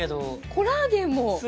コラーゲンもえ！？